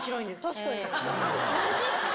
確かに。